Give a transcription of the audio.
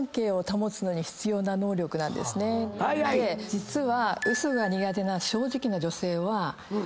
実は。